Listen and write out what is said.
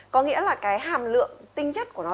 có nghĩa là cái hàm lượng tinh chất của nó